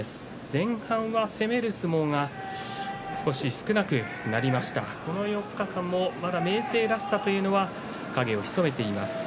前半、攻める相撲が少し少なくなりましたがこの４日間もまだ明生らしさというのは影を潜めています。